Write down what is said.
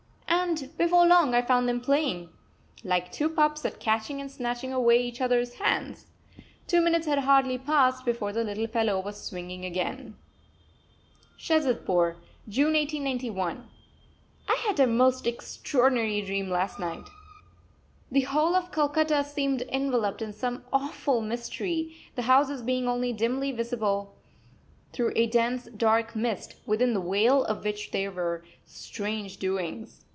And before long I found them playing, like two pups, at catching and snatching away each other's hands! Two minutes had hardly passed before the little fellow was swinging again. SHAZADPUR, June 1891. I had a most extraordinary dream last night. The whole of Calcutta seemed enveloped in some awful mystery, the houses being only dimly visible through a dense, dark mist, within the veil of which there were strange doings.